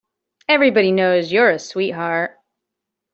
Everybody knows you're a sweetheart.